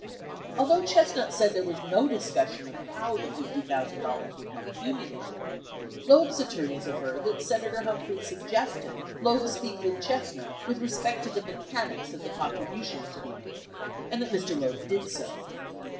Although Chestnut said there was no discus sion of how the $50,000 would be accumulated, Loeb's attorneys aver that Senator Humphrey suggested Loeb speak with Chestnut "with respect to the mechanics of the contributions to be made," and that "Mr. Loeb did so."